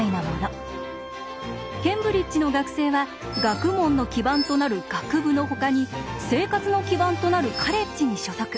ケンブリッジの学生は学問の基盤となる学部のほかに生活の基盤となるカレッジに所属。